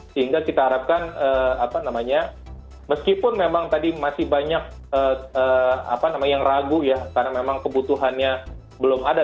sehingga kita harapkan meskipun memang tadi masih banyak yang ragu ya karena memang kebutuhannya belum ada